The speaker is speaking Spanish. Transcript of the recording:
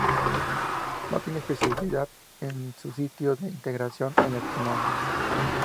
No tiene especificidad en su sitio de integración en el genoma.